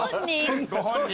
ご本人。